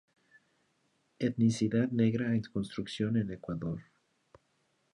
Etnicidad negra en construcción en Ecuador.